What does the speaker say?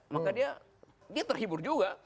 maka dia terhibur juga